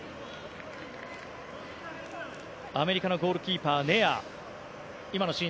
アメリカのゴールキーパーネアー。